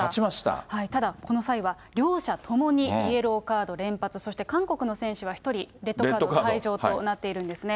ただ、この際は、両者ともにイエローカード連発、そして韓国の選手は１人レッドカード、退場となっているんですね。